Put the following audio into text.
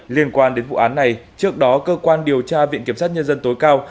liên quan đến vụ án này trước đó cơ quan điều tra viện kiểm sát nhân dân tối cao